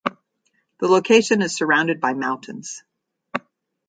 The location is surrounded by mountains.